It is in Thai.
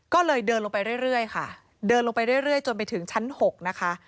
ก็เลยเดินลงไปเรื่อยค่ะเดินลงไปเรื่อยจนไปถึงชั้น๖นะคะ